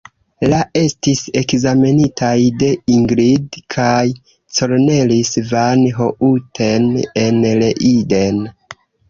La estis ekzamenitaj de Ingrid kaj Cornelis van Houten en Leiden.